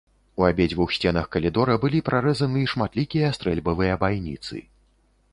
У абедзвюх сценах калідора былі прарэзаны шматлікія стрэльбавыя байніцы.